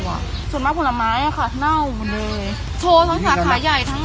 พวกนักผลไม้อะคะเน่าหมดเลย